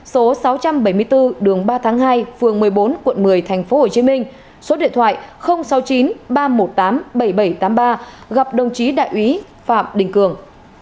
số sáu trăm bảy mươi bốn đường ba tháng hai phường một mươi bốn quận một mươi tp hcm số điện thoại sáu mươi chín ba trăm một mươi tám bảy nghìn bảy trăm tám mươi ba gặp đồng chí đại úy phạm đình cường